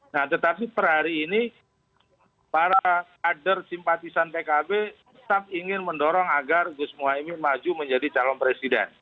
nah tetapi per hari ini para kader simpatisan pkb tetap ingin mendorong agar gus muhaymin maju menjadi calon presiden